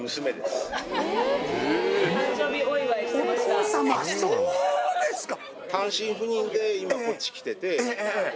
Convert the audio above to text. お父さまそうですか！